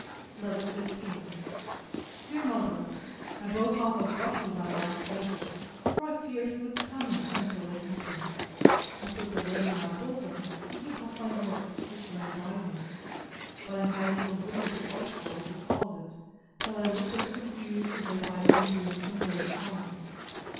LETTER XV DEAR MOTHER, I broke off abruptly my last letter; for I feared he was coming; and so it happened. I put the letter in my bosom, and took up my work, which lay by me; but I had so little of the artful, as he called it, that I looked as confused as if I had been doing some great harm.